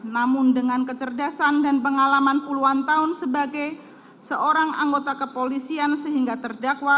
namun dengan kecerdasan dan pengalaman puluhan tahun sebagai seorang anggota kepolisian sehingga terdakwa